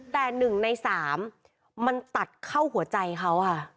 แต่๑ใน๓มันตัดเข้าหัวใจเขาค่ะ